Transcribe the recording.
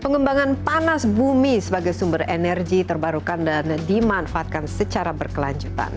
pengembangan panas bumi sebagai sumber energi terbarukan dan dimanfaatkan secara berkelanjutan